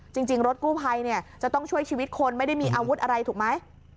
จริงรถกู้ภัยเนี่ยจะต้องช่วยชีวิตคนไม่ได้มีอาวุธอะไรถูกไหม